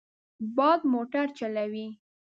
باد موټر چلوي.